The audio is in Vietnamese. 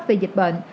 về dịch bệnh